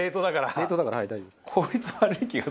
冷凍だから大丈夫です。